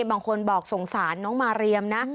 บางคนบอกสงสารน้องมาเรียมนะ